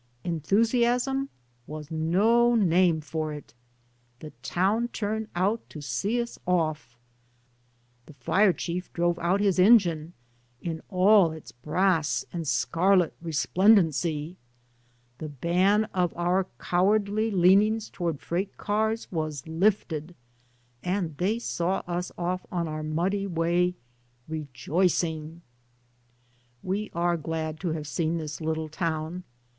Enthusiasm was no name for it I The town turned out to see us off; the fire chief drove out his engine in all its brass and scarlet resplendency. The ban of our cowardly leanings toward freight cars was lifted and they saw us off on our muddy way rejoicing I We are glad to have seen this little town.